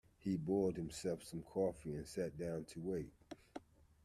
He boiled himself some coffee and sat down to wait.